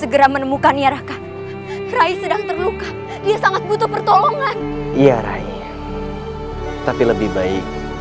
segera menemukan nia raka rai sedang terluka ia sangat butuh pertolongan iya rai tapi lebih baik